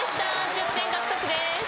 １０点獲得です。